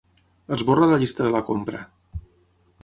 Esborra la llista de la compra.